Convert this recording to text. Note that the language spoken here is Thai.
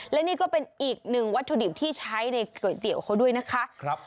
และนี่ก็เป็นอีกหนึ่งวัตถุดิบที่ใช้ในก๋วยเตี๋ยวเขาด้วยนะคะ